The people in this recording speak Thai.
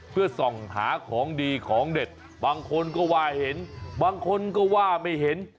เพื่อส่องหาของดีของเด็ดบางคนก็ว่าเห็นบางคนก็ว่าไม่เห็น